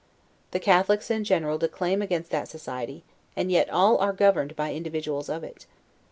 The Catholics in general declaim against that society; and yet are all governed by individuals of it.